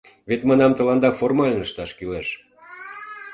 Вет, манам, тыланда формально ышташ кӱлеш...